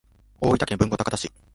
大分県豊後高田市